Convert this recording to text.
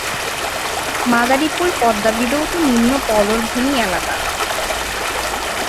মাদারীপুর পদ্মা বিধৌত নিম্ন পলল ভূমি এলাকা।